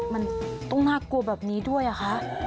มันต้องน่ากลัวแบบนี้ด้วยอะคะ